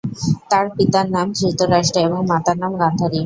তার পিতার নাম ধৃতরাষ্ট্র এবং মাতার নাম গান্ধারী।